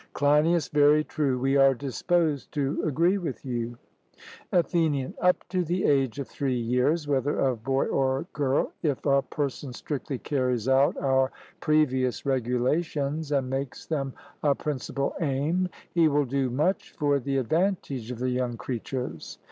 CLEINIAS: Very true: we are disposed to agree with you. ATHENIAN: Up to the age of three years, whether of boy or girl, if a person strictly carries out our previous regulations and makes them a principal aim, he will do much for the advantage of the young creatures.